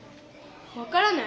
わからない？